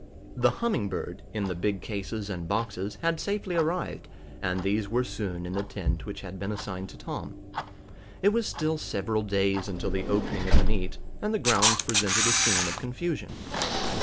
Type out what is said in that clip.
The Humming Bird, in the big cases and boxes, had safely arrived, and these were soon in the tent which had been assigned to Tom. It was still several days until the opening of the meet, and the grounds presented a scene of confusion.